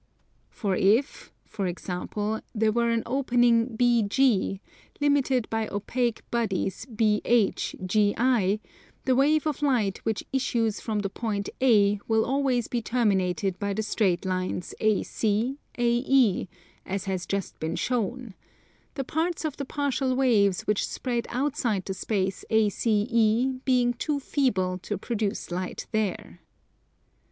For if, for example, there were an opening BG, limited by opaque bodies BH, GI, the wave of light which issues from the point A will always be terminated by the straight lines AC, AE, as has just been shown; the parts of the partial waves which spread outside the space ACE being too feeble to produce light there.